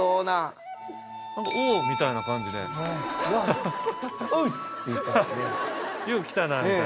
「おう」みたいな感じで。